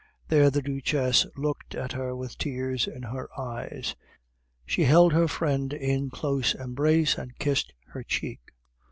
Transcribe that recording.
There the Duchess looked at her with tears in her eyes; she held her friend in close embrace and kissed her cheek.